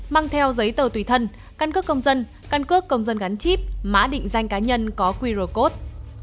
mang theo giấy tờ tùy thân căn cước công dân căn cước công dân gắn chip mã định danh cá nhân có qr code